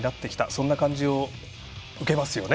そんな感じを受けますよね。